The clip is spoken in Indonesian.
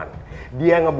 kau tak bisa mencoba